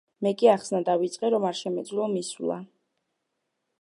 მე კი ახსნა დავიწყე, რომ არ შემეძლო მისვლა.